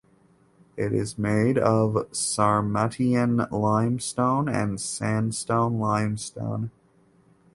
It is made of Sarmatian limestone and sandstone limestone.